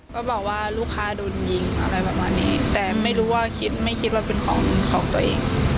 ก็บอกว่าลูกค้าโดนยิงอะไรประมาณนี้แต่ไม่รู้ว่าคิดไม่คิดว่าเป็นของของตัวเอง